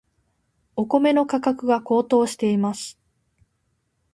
お米の価格が高騰しています。